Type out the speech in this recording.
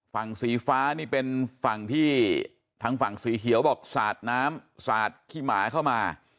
ฝั่งสีฟ้านี่เป็นฝั่งที่ทางฝั่งสีเขียวบอกสาดน้ำสาดขี้หมาเข้ามา